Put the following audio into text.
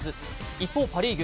一方、パ・リーグ。